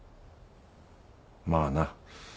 まあな。